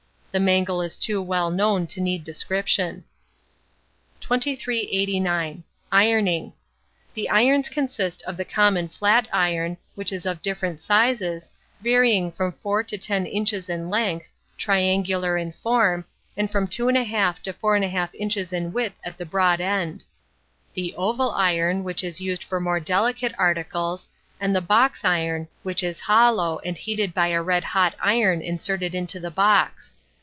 The mangle is too well known to need description. 2389. Ironing. The irons consist of the common flat iron, which is of different sizes, varying from 4 to 10 inches in length, triangular in form, and from 2 1/2 to 4 1/2 inches in width at the broad end; the oval iron, which is used for more delicate articles; and the box iron, which is hollow, and heated by a red hot iron inserted into the box.